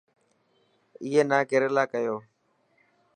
اي نا ڪيريلا ڪيو.